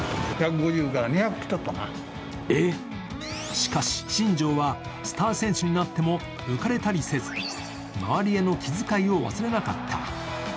しかし、新庄はスター選手になっても浮かれたりせず、周りへの気遣いを忘れなかった。